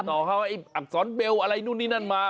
สอบคำว่าอักษรเบลอะไรนู่นนี่นั่นมา